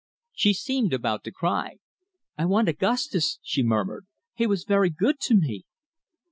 She seemed about to cry. "I want Augustus," she murmured. "He was very good to me."